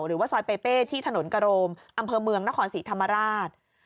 หรือว่าซอยเปเป้ที่ถนนกะโรมอำเภอเมืองนครศรีธรรมราช